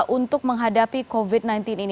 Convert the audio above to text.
untuk menghadapi covid sembilan belas ini